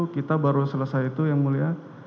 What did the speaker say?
kita baru selesai itu yang mulia